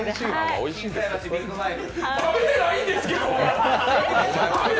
食べたないんですけど！？